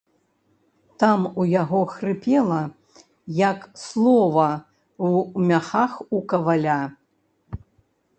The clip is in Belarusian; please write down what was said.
Там у яго хрыпела, як слова ў мяхах у каваля.